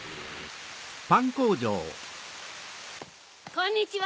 こんにちは。